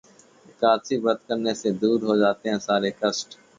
एकादशी व्रत करने से दूर हो जाते हैं सारे कष्ट...